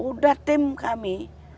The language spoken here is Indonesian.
sudah tim kami